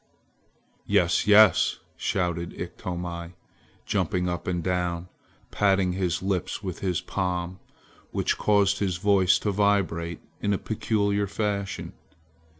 "Yes! yes!" shouted Iktomi, jumping up and down, patting his lips with his palm, which caused his voice to vibrate in a peculiar fashion.